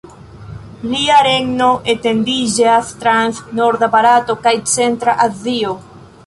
Lia regno etendiĝis trans norda Barato kaj centra Azio.